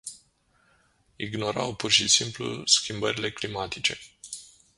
Ignorau pur și simplu schimbările climatice.